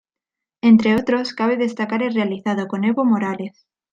Entre otros, cabe destacar el realizado con Evo Morales.